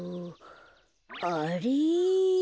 あれ？